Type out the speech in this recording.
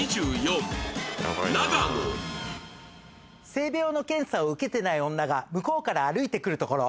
「性病の検査を受けてない女が向こうから歩いてくるところ」